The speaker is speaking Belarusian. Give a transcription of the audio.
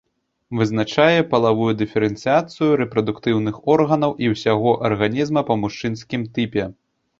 Вызначае палавую дыферэнцыяцыю рэпрадуктыўных органаў і ўсяго арганізма па мужчынскім тыпе.